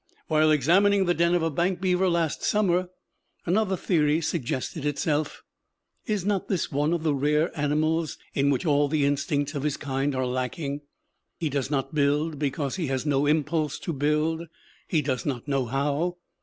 While examining the den of a bank beaver last summer another theory suggested itself. Is not this one of the rare animals in which all the instincts of his kind are lacking? He does not build because he has no impulse to build; he does not know how.